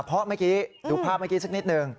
เพราะเมื่อกี้ดูภาพเมื่อกี้สักนิดหนึ่ง